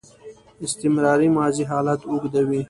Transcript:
استمراري ماضي حالت اوږدوي.